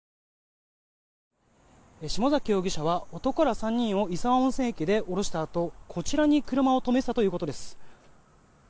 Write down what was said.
下崎容疑者は男ら３人を石和温泉駅に降ろしたあとこちらに車を止めていたということです。